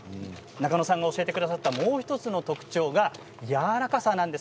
中野さんが教えてくださった祇園パセリのもう１つの特徴がやわらかさです。